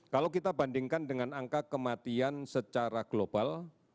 kalau kita bandingkan dengan angka kematian secara global